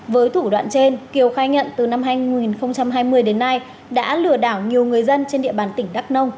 với thủ đoạn trên kiều khai nhận từ năm hai nghìn hai mươi đến nay đã lừa đảo nhiều người dân trên địa bàn tỉnh đắk nông